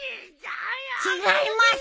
違います！